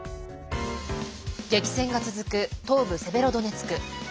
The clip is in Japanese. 激戦が続く東部セベロドネツク。